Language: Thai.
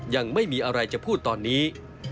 ยังไม่มีอะไรจะพูดตอนนี้